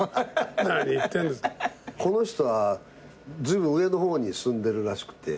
この人はずいぶん上の方に住んでるらしくて。